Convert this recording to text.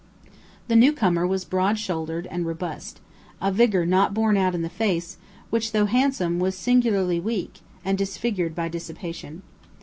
The newcomer was broad shouldered and robust a vigor not borne out in the face, which, though handsome, was singularly weak, and disfigured by dissipation.